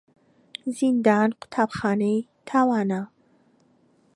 زیندان قوتابخانەی تاوانە.